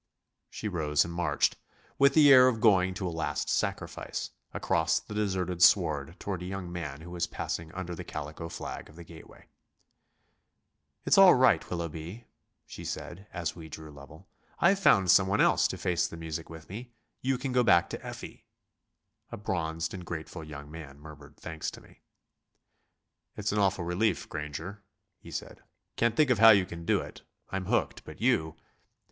She rose and marched, with the air of going to a last sacrifice, across the deserted sward toward a young man who was passing under the calico flag of the gateway. "It's all right, Willoughby," she said, as we drew level, "I've found someone else to face the music with me; you can go back to Effie." A bronzed and grateful young man murmured thanks to me. "It's an awful relief, Granger," he said; "can't think how you can do it. I'm hooked, but you...."